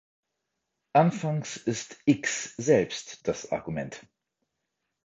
Anfangs ist "X" selbst das Argument.